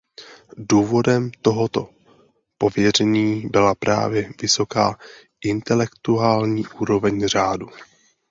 Důvodem tohoto pověření byla právě vysoká intelektuální úroveň řádu.